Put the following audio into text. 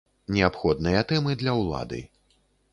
Неабходныя тэмы для ўлады.